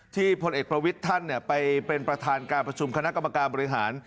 พลเอกประวิทย์ท่านไปเป็นประธานการประชุมคณะกรรมการบริหาร